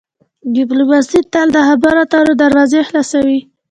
ډیپلوماسي تل د خبرو اترو دروازې خلاصوي.